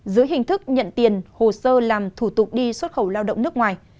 dưới hình thức nhận tiền hồ sơ làm thủ tục đi xuất khẩu lao động nước ngoài